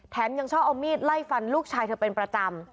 ยังชอบเอามีดไล่ฟันลูกชายเธอเป็นประจำ